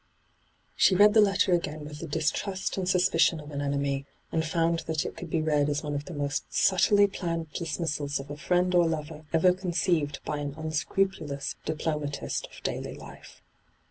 She read the letter again with the distrust and suspicion of an enemy, and found that it could be read as one of the most subtly ENTRAPPED 281 planned dismiBBals of a friend or lover ever conceived by an unscrupulous diplomatist of daily life.